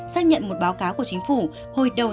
xác nhận một báo cáo của chính phủ